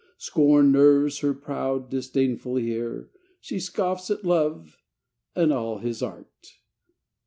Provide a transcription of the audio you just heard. Scorn nerves her proud, disdainful heart ! She scoffs at Love and all his art